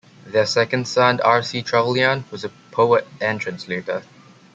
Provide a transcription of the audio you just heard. Their second son R. C. Trevelyan was a poet and translator.